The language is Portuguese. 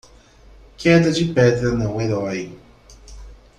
Queda de pedra não-herói